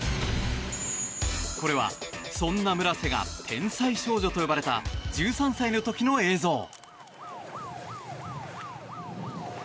これは、そんな村瀬が天才少女と呼ばれた１３歳の時の映像。